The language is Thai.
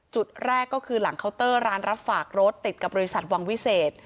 จุดแรกก็คือหลังเคาน์เตอร์ร้านรับฝากรถติดกับบริษัทวังวิเศษ